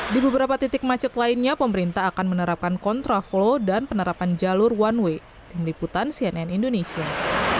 di beberapa titik macet lainnya pemerintah akan menerapkan kontraflow dan penerapan jalur one way